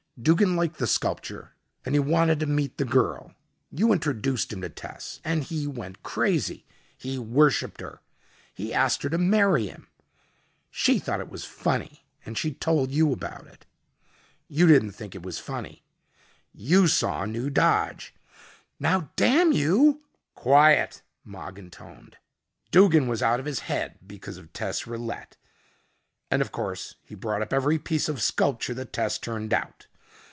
"Duggin liked the sculpture and he wanted to meet the girl. You introduced him to Tess and he went crazy. He worshipped her. He asked her to marry him. She thought it was funny and she told you about it. You didn't think it was funny. You saw a new dodge " "Now damn you " "Quiet," Mogin toned. "Duggin was out of his head because of Tess Rillette. And of course he bought up every piece of sculpture that Tess turned out.